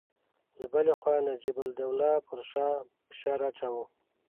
له بلې خوا نجیب الدوله پر شاه فشار اچاوه.